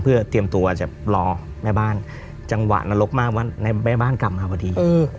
เพื่อเตรียมตัวจะรอแม่บ้านจังหวะนรกมากว่าแม่บ้านกลับมาพอดี